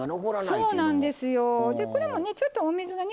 そうなんですよ。